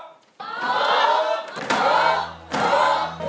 ตอบ